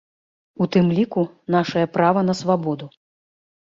У тым ліку, нашае права на свабоду.